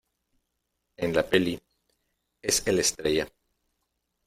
en la peli. es el Estrella .